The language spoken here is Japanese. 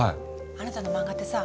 あなたの漫画ってさ